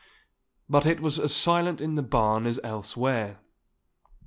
But it was as silent in the barn as elsewhere.